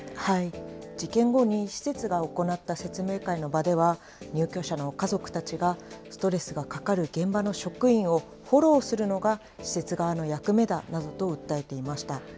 事件後に施設が行った説明会の場では、入居者の家族たちが、ストレスがかかる現場の職員をフォローするのが施設側の役目だなどと訴えていました。